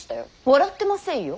笑ってませんよ。